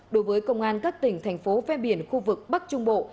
đối với công an các tỉnh thành phố phê biển khu vực bắc trung bộ